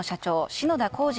篠田亘司